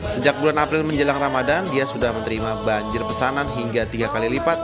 sejak bulan april menjelang ramadan dia sudah menerima banjir pesanan hingga tiga kali lipat